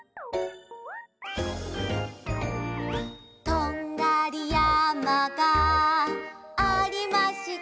「とんがり山がありました」